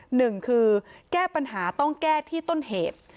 หนึ่งคือแก้ปัญหาต้องแก้ที่ต้นเหตุ